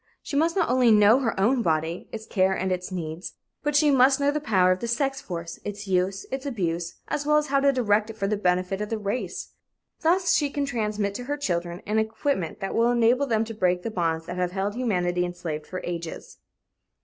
She must not only know her own body, its care and its needs, but she must know the power of the sex force, its use, its abuse, as well as how to direct it for the benefit of the race. Thus she can transmit to her children an equipment that will enable them to break the bonds that have held humanity enslaved for ages.